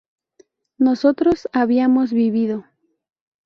nosotros habíamos vivido